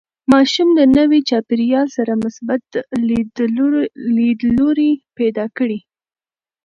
ماشوم له نوي چاپېریال سره مثبت لیدلوری پیدا کړي.